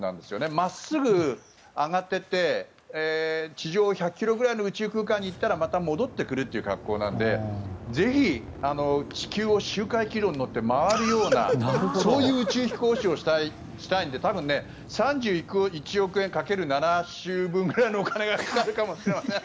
真っすぐ上がっていって地上１００ｋｍぐらいの宇宙空間に行ったらまた戻ってくるという格好なのでぜひ、地球を周回軌道に乗って回るようなそういう宇宙飛行をしたいので多分３１億円掛ける７周分ぐらいのお金がかかるかもしれません。